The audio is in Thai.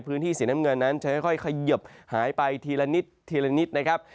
พื้นที่สีน้ำเงินนั้นจะค่อยเขยิบหายไปทีละนิดทีละนิดนะครับ